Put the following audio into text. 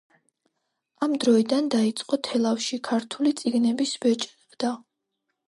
ამ დროიდან დაიწყო თელავში ქართული წიგნების ბეჭვდა.